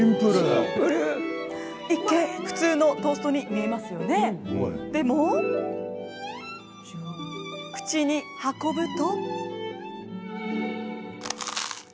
一見普通のトーストに見えますが口に運ぶと。